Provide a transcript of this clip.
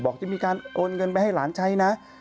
บอกจะมีการโอนเงินไปให้หลานใช้นะ